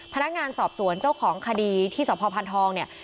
พนักงานสอบสวนเจ้าของคดีที่สพพันธองเนี่ย